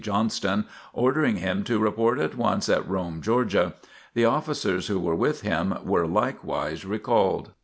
Johnston, ordering him to report at once at Rome, Georgia. The officers who were with him were likewise recalled.